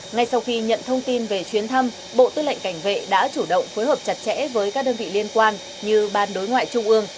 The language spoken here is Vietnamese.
ngay sau khi nhận thông tin về chuyến thăm bộ tư lệnh cảnh vệ đã chủ động phối hợp chặt chẽ với các đơn vị liên quan như ban đối ngoại trung ương